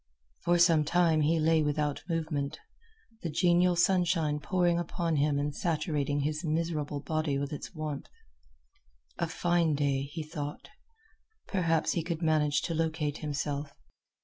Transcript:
For some time he lay without movement, the genial sunshine pouring upon him and saturating his miserable body with its warmth. A fine day, he thought. Perhaps he could manage to locate himself.